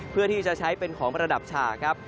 เพื่อที่จะใช้เป็นของประดับฉากครับ